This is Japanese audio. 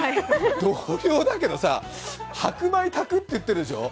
東京だけどさ、白米炊くって言ってるでしょ？